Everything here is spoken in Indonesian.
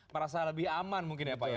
merasa lebih aman mungkin ya pak ya